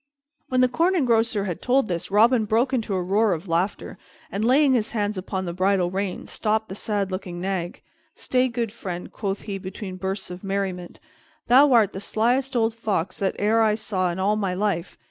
When the Corn Engrosser had told this, Robin broke into a roar of laughter and, laying his hands upon the bridle rein, stopped the sad looking nag. "Stay, good friend," quoth he, between bursts of merriment, "thou art the slyest old fox that e'er I saw in all my life!